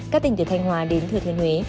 các tỉnh từ thanh hòa đến thừa thiên huế